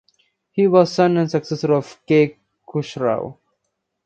He was the son and successor of Kay Khusraw.